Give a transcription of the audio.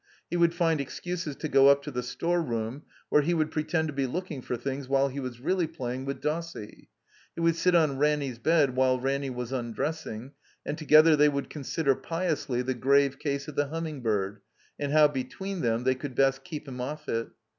He would find excuses to go up to the storeroom, where he would pretend to be looking for things while he was really playing with Dossie. He would sit on Ranny's bed while Ranny was undressing, and together they would consider, piously, the grave case of the Humming bird, and how, between them, they could best "keep him off it."